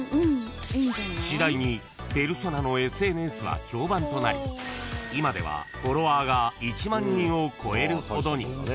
［しだいにペルソナのＳＮＳは評判となり今ではフォロワーが１万人を超えるほどに］